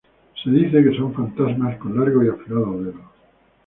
Se dice que son fantasmales con largos y afilados dedos.